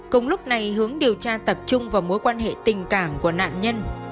cùng lúc này hướng điều tra tập trung vào mối quan hệ tình cảm của nạn nhân